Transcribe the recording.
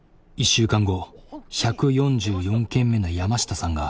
１週間後１４４軒目の山下さんが。